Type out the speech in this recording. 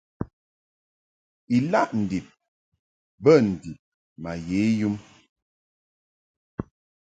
Ilaʼ ndib bə ndib ma ye yum.